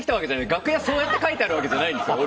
楽屋、そうやって書いてあるわけじゃないんですよ。